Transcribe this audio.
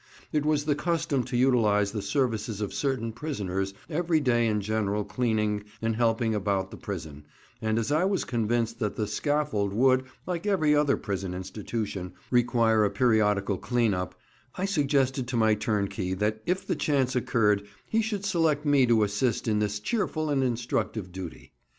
It was the custom to utilise the services of certain prisoners every day in general cleaning and helping about the prison, and as I was convinced that "the scaffold" would, like every other prison institution, require a periodical clean up, I suggested to my turnkey that if the chance occurred he should select me to assist in this cheerful and instructive duty.